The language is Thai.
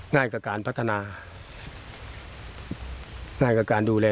ง่ายกับการพัฒนาง่ายกับการดูแล